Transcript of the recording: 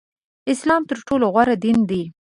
اسلام تر ټولو غوره دین دی